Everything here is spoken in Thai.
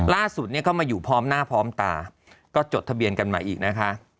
ล่าสุดเนี่ยก็มาอยู่พร้อมหน้าพร้อมตาก็จดทะเบียนกันมาอีกนะคะ